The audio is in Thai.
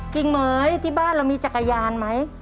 กิ่งเหม๋ยที่บ้านเรามีจักรยานไหม